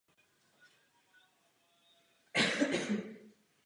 Taková rozhodnutí by měly přijímat členské státy samy.